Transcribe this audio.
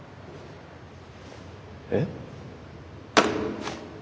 えっ？